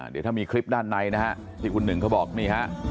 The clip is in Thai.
เดี๋ยวถ้ามีคลิปด้านในนะฮะที่คุณหนึ่งเขาบอกนี่ฮะ